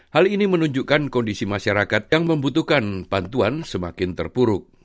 hal ini menunjukkan kondisi masyarakat yang membutuhkan bantuan semakin terpuruk